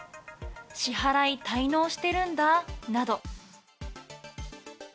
支払い滞納してるんだなど。